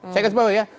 saya kasih tahu ya